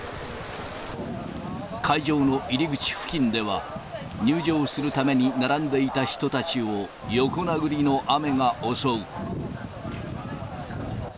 会場の入り口付近では、入場するために並んでいた人たちを横殴りの雨が襲う。